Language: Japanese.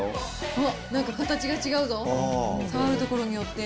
あっ何か形が違うぞ触る所によって。